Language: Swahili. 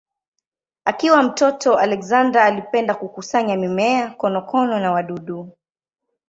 Akiwa mtoto Alexander alipenda kukusanya mimea, konokono na wadudu.